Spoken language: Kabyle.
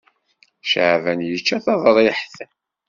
Caɛban yečča taḍriḥt.